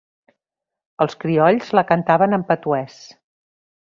Els criolls la cantaven en patuès.